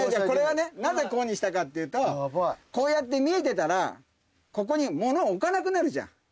これはねなぜこうにしたかっていうとこうやって見えてたらここに物を置かなくなるじゃん。